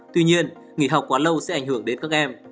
tuy nhiên nghỉ học quá lâu sẽ ảnh hưởng đến các em